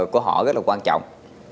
của họ rất là quan trọng